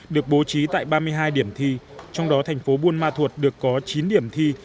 được bố trí tại ba mươi hai điểm thi trong đó thành phố buôn ma thuột được có chín điểm thi